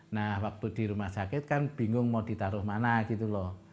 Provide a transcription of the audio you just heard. nah waktu di rumah sakit kan bingung mau ditaruh mana gitu loh